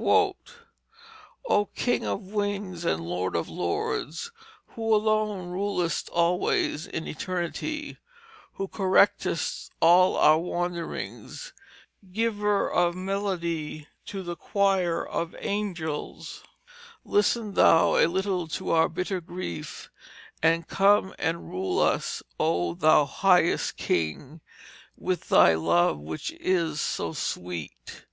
'Oh, King of Wings and Lord of Lords, who alone rulest always in eternity, and who correctest all our wanderings, giver of melody to the choir of angels, listen Thou a little to our bitter grief, and come and rule us, oh Thou highest King, with Thy love which is so sweet.'